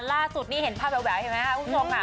ล่าสุดนี่เห็นภาพแววเห็นไหมครับคุณผู้ชมค่ะ